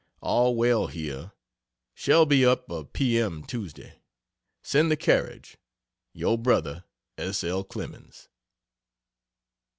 All well here. Shall be up a P. M. Tuesday. Send the carriage. Yr Bro. S. L. CLEMENS.